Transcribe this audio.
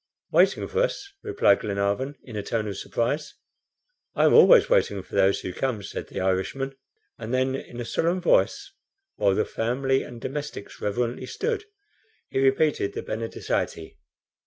"Waiting for us!" replied Glenarvan in a tone of surprise. "I am always waiting for those who come," said the Irishman; and then, in a solemn voice, while the family and domestics reverently stood, he repeated the BENEDICITE.